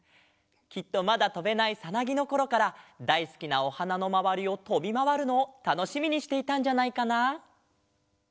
きっとまだとべないさなぎのころからだいすきなおはなのまわりをとびまわるのをたのしみにしていたんじゃないかな？